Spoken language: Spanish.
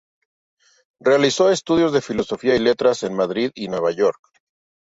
Realizó estudios de Filosofía y Letras en Madrid y Nueva York.